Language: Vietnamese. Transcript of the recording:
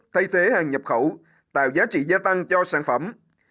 thay thế hàng nhập khẩu tạo giá trị gia tăng cho sản phẩm